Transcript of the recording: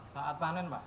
saat panen pak